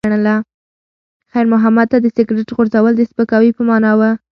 خیر محمد ته د سګرټ غورځول د سپکاوي په مانا و.